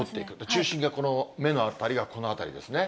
中心が目の辺りがこの辺りですね。